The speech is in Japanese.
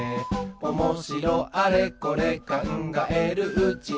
「おもしろあれこれかんがえるうちに」